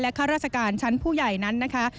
ข้าราชการชั้นผู้ใหญ่นั้นนะคะ